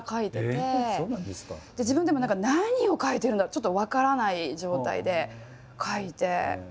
自分でも何か何を書いてるのかちょっと分からない状態で書いて。